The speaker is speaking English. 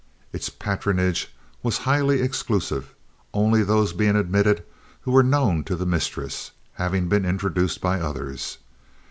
It's patronage was highly exclusive, only those being admitted who were known to the mistress, having been introduced by others.